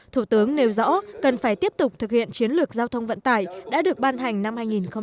thủ tướng nêu rõ cần phải tiếp tục thực hiện chiến lược giao thông vận tải đã được ban hành năm hai nghìn một mươi chín